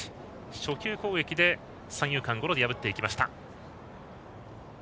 初球攻撃で三遊間をゴロで破っていきました。